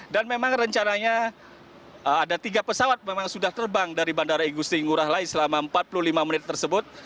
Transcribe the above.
dan memang rencananya ada tiga pesawat memang sudah terbang dari bandara igusti ngurah rai selama empat puluh lima menit tersebut